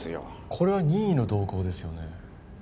これは任意の同行ですよね？